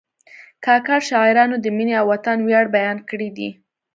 کاکړ شاعرانو د مینې او وطن ویاړ بیان کړی دی.